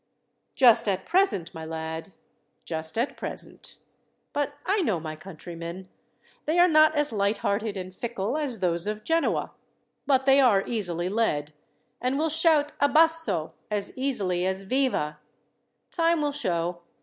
"Just at present, my lad; just at present. But I know my countrymen. They are not as light hearted and fickle as those of Genoa; but they are easily led, and will shout 'Abasso!' as easily as 'Viva!' Time will show.